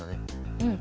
うん。